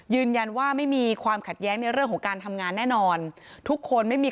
ยืนยันว่าไม่มีความขัดแย้งในเรื่องของการทำงานแน่นอนทุกคนไม่มี